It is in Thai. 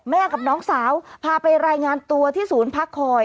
กับน้องสาวพาไปรายงานตัวที่ศูนย์พักคอย